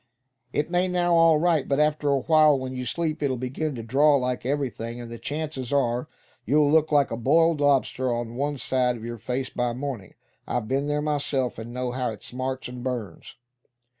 "It may now, all right, but after a while, when you sleep, it'll begin to draw like everything; and the chances are, you'll look like a boiled lobster on one side of your face by morning. I've been there myself, and know how it smarts and burns."